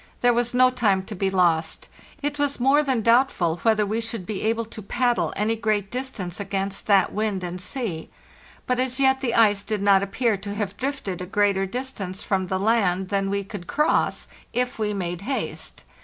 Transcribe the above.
There was no time to be lost; it was more than doubtful whether we should be able to paddle any great distance against that wind and sea, but as yet the ice did not appear to have drifted a greater distance from the land than we could cross, if we made haste.